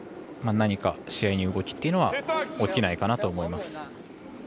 何か試合に動きというのは起きないかなと思います。